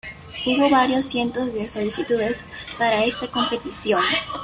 Hubo varios cientos de solicitudes para esta competición.